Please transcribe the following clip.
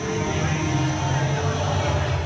เป็นไงคุณ